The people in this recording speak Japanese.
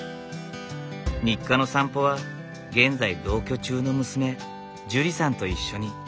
日課の散歩は現在同居中の娘ジュリさんと一緒に。